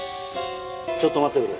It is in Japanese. ちょっと待ってくれ。